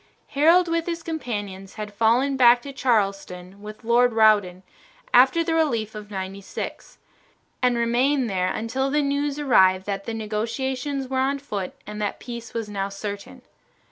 Harold with his companions had fallen back to Charleston with Lord Rawdon after the relief of Ninety six, and remained there until the news arrived that the negotiations were on foot and that peace was now certain.